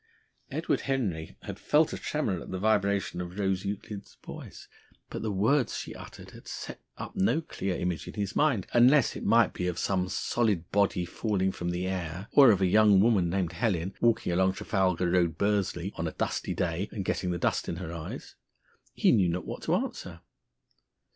Edward Henry had felt a tremor at the vibrations of Rose Euclid's voice. But the words she uttered had set up no clear image in his mind, unless it might be of some solid body falling from the air, or of a young woman named Helen walking along Trafalgar Road, Bursley, on a dusty day, and getting the dust in her eyes. He knew not what to answer.